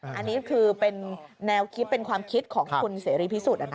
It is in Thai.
อันนี้คือเป็นแนวคิดเป็นความคิดของคุณเสรีพิสุทธิ์